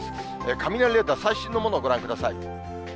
雷レーダー、最新のものをご覧ください。